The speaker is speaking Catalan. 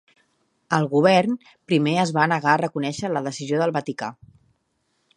El govern, primer es va negar a reconèixer la decisió del Vaticà.